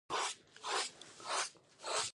ایا ستاسو ملګري وفادار دي؟